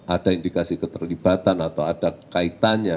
ada indikasi keterlibatan atau ada kaitannya